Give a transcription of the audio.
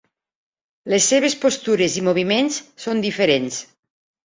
Les seves postures i moviments són diferents.